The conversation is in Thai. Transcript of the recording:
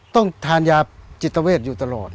ต้องทานยาจิตเวทอยู่ตลอด